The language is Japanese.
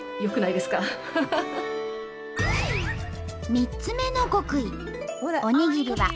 ３つ目の極意。